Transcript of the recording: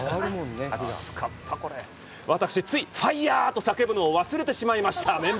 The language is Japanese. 私、ついファイヤー！！と叫ぶのを忘れていましたね。